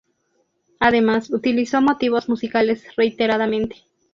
Además, utilizó motivos musicales reiteradamente.